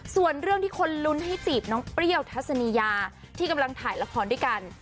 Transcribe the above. ส่วนเรื่องที่คนลุ้นให้จีบน้องเปรี้ยวทัศนียาที่กำลังถ่ายละครด้วยกัน